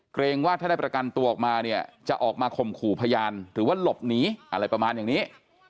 เกรงว่าถ้าได้ประกันตัวออกมาเนี่ยจะออกมาข่มขู่พยานหรือว่าหลบหนีอะไรประมาณอย่างนี้